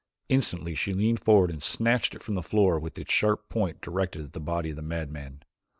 Instantly she leaned forward and snatched it from the floor with its sharp point directed at the body of the madman.